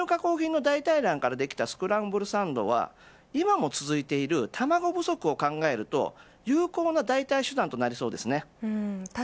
豆乳加工品の代替卵からできたスクランブルサンドは今も続いている卵不足を考えると有効な代替手段となりそうですね。